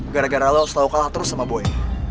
gara gara lo selalu kalah terus sama boy